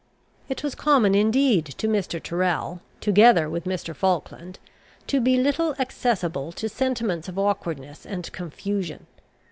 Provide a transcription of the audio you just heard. It was common indeed to Mr. Tyrrel, together with Mr. Falkland, to be little accessible to sentiments of awkwardness and confusion.